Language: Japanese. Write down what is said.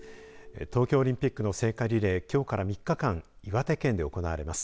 東京オリンピックの聖火リレーきょうから３日間岩手県で行われます。